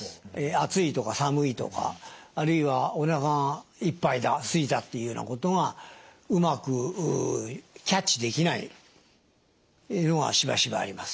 暑いとか寒いとかあるいはおなかがいっぱいだすいたっていうようなことがうまくキャッチできないっていうのがしばしばあります。